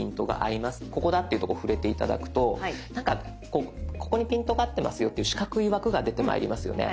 ここだっていうところ触れて頂くとなんかここにピントが合ってますよっていう四角い枠が出てまいりますよね。